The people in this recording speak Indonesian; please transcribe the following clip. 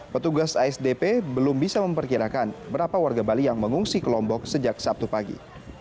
petugas asdp belum bisa memperkirakan berapa warga bali yang mengungsi ke lombok sejak sabtu pagi